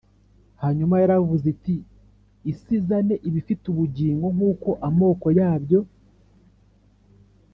Hanyuma yaravuze iti isi izane ibifite ubugingo nk uko amoko yabyo